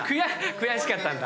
悔しかったんだ。